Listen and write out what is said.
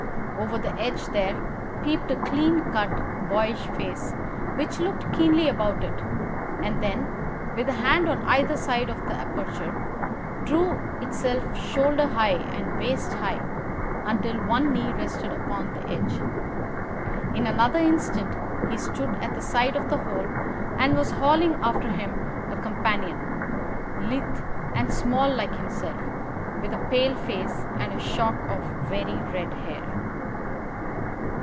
Over the edge there peeped a clean cut, boyish face, which looked keenly about it, and then, with a hand on either side of the aperture, drew itself shoulder high and waist high, until one knee rested upon the edge. In another instant he stood at the side of the hole and was hauling after him a companion, lithe and small like himself, with a pale face and a shock of very red hair.